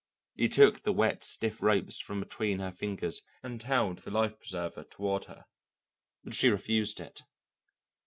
He took the wet, stiff ropes from between her fingers and held the life preserver toward her; but she refused it.